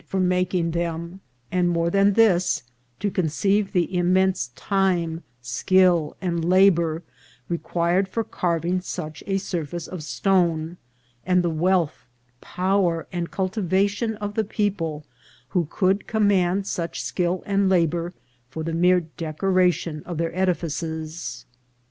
435 for making them ; and, more than this, to conceive the immense time, skill, and labour required for carving such a surface of stone, and the wealth, power, and cul tivation of the people who could command such skill and labour for the mere decoration of their edifices.